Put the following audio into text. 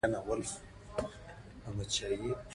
د افغانستان طبیعت له پسرلی څخه جوړ شوی دی.